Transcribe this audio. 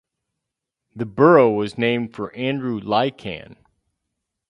The borough was named for Andrew Lycan.